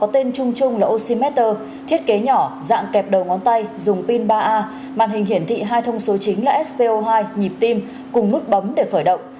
tên chung chung là oxymerter thiết kế nhỏ dạng kẹp đầu ngón tay dùng pin ba a màn hình hiển thị hai thông số chính là spo hai nhịp tim cùng nút bấm để khởi động